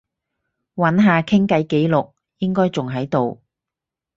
揾下傾偈記錄，應該仲喺度